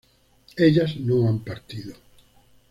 ellas no han partido